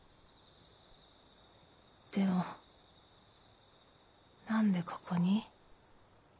でも何でここに？